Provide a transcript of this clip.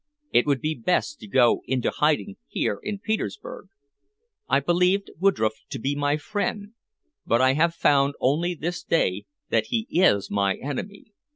It would be best to go into hiding here in Petersburg. I believed Woodroffe to be my friend, but I have found only this day that he is my enemy.